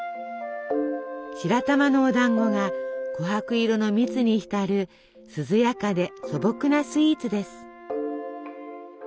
白玉のおだんごがこはく色の蜜に浸る涼やかで素朴なスイーツです。